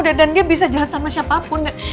dan dia bisa jahat sama siapapun